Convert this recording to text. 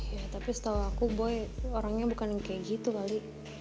ya tapi setahu aku boy orangnya bukan kayak gitu kali